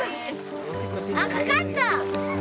あっかかった！